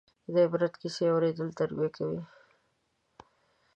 د عبرت کیسې اورېدل تربیه کوي.